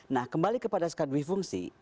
nah kembali kepada skatdwi fungsi